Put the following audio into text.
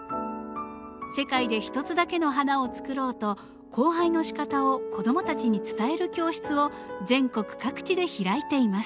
世界で一つだけの花を作ろうと交配のしかたを子供たちに伝える教室を全国各地で開いています。